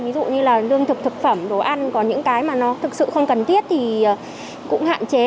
ví dụ như là lương thực thực phẩm đồ ăn có những cái mà nó thực sự không cần thiết thì cũng hạn chế